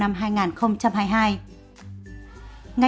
ngành đường sắt sẽ không thu phí trả vé